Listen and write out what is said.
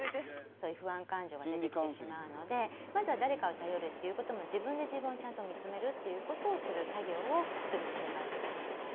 そういう不安感情が出てきてしまうのでまずは誰かを頼るっていう事自分で自分をちゃんと見つめるっていう事をする作業をする必要があると思います。